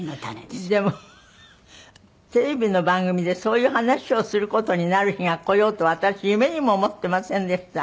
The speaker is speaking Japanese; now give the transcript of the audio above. でもテレビの番組でそういう話をする事になる日が来ようとは私夢にも思ってませんでした。